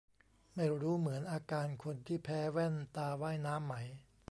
ไม่รู้เหมือนอาการคนที่แพ้แว่นตาว่ายน้ำไหม